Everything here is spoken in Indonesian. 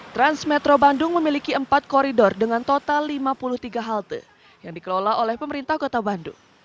transmetro bandung memiliki empat koridor dengan total lima puluh tiga halte yang dikelola oleh pemerintah kota bandung